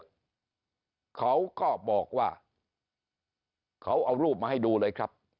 เขาก็บอกว่าเขาเอารูปมาให้ดูเลยครับ